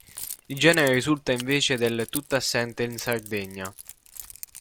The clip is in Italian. Il genere risulta invece del tutto assente in Sardegna